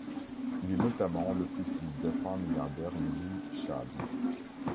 Il est notamment le fils du défunt milliardaire Miloud Chaâbi.